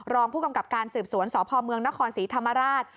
รองผู้กำกับการสืบสวนสพเมืองนครศรีธรรมราช